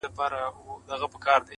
چي سزا یې په قسمت وه رسېدلې-